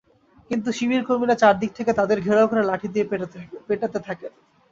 কিন্তু শিবির কর্মীরা চারদিক থেকে তাঁদের ঘেরাও করে লাঠি দিয়ে পেটাতে থাকেন।